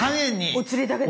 おつりだけで？